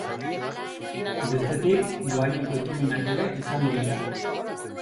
Bestetik, dohaineko ekimenak ere izango dira.